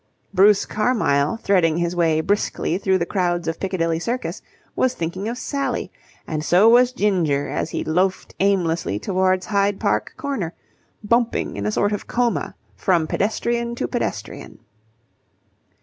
Bruce Carmyle, threading his way briskly through the crowds of Piccadilly Circus, was thinking of Sally: and so was Ginger as he loafed aimlessly towards Hyde Park Corner, bumping in a sort of coma from pedestrian to pedestrian.